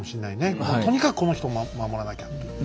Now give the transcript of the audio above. もうとにかくこの人を守らなきゃという。